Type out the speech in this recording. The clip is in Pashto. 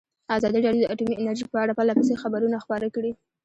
ازادي راډیو د اټومي انرژي په اړه پرله پسې خبرونه خپاره کړي.